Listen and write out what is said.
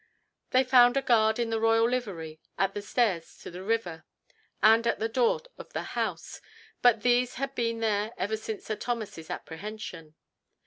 They found a guard in the royal livery at the stairs to the river, and at the door of the house, but these had been there ever since Sir Thomas's apprehension.